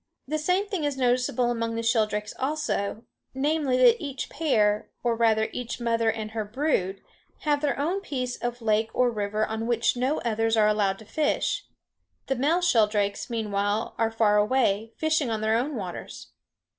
The same thing is noticeable among the sheldrakes also, namely, that each pair, or rather each mother and her brood, have their own piece of lake or river on which no others are allowed to fish. The male sheldrakes meanwhile are far away, fishing on their own waters.